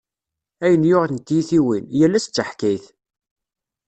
Ayen yuɣ n tiytiwin, yal ass d taḥkayt.